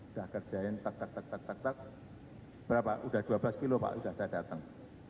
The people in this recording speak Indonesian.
udah kerjain tak tak tak tak tak tak berapa udah dua belas kilo pak udah saya datang